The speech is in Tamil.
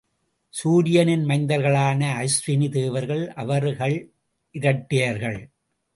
சூரியனின் மைந்தர்களான அஸ்வினி தேவர்கள் அவர்களும் இரட்டையர்கள்.